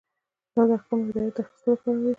دا د احکامو او هدایت د اخیستلو لپاره دی.